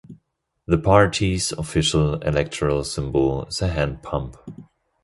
The party's official electoral symbol is a hand pump.